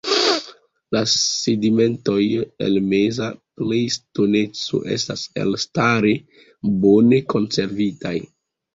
La sedimentoj el meza plejstoceno estas elstare bone konservitaj.